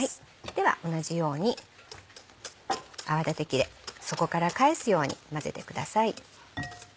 では同じように泡立て器で底から返すように混ぜてください。